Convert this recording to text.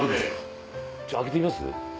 じゃあ開けてみます？